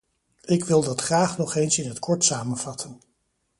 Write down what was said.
Ik wil dat graag nog eens in het kort samenvatten.